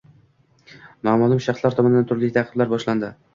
noma’lum shaxslar tomonidan turli ta’qiblar boshlanadi.